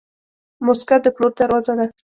موسکا د پلور دروازه ده.